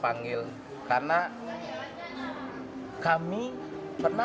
sebenarnya apa bentuk atau visi kemanusiaan mereka